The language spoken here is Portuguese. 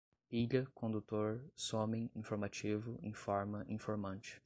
pilha, condutor, somem, informativo, informa, informante